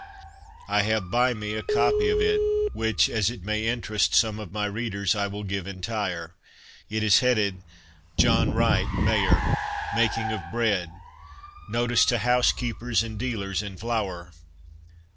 I have by me a copy of it, which, as it may interest some of my readers, I will give entire. It is headed JOHN WRIGHT, MAYOR. MAKING OF BREAD. NOTICE TO HOUSEKEEPERS, AND DEALERS IN FLOUR.